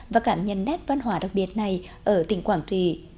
và cảm nhận nét văn hóa đặc biệt này ở tỉnh quảng trì